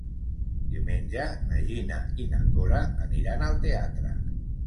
Diumenge na Gina i na Cora aniran al teatre.